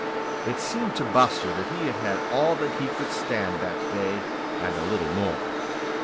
It seemed to Buster that he had had all that he could stand that day and a little more.